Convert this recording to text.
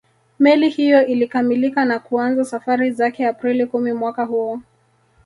Meli hiyo ilikamilika na kuanza safari zake Aprili kumi mwaka huo